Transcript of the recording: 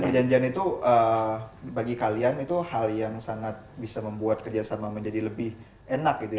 dan perjanjian itu bagi kalian itu hal yang sangat bisa membuat kerjasama menjadi lebih enak gitu ya